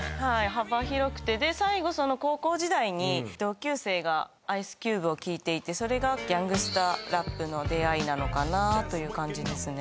幅広くてで最後その高校時代に同級生がＩｃｅＣｕｂｅを聴いていてそれがギャングスタ・ラップの出会いなのかなという感じですね